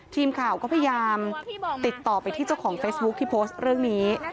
ทีมข่าวก็พยายามติดต่อไปที่เจ้าของเฟซบุ๊คที่โพสต์เรื่องนี้